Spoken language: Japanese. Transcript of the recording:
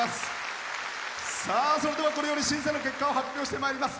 それでは、これより審査の結果発表してまいります。